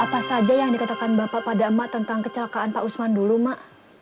apa saja yang dikatakan bapak pada mak tentang kecelakaan pak usman dulu mak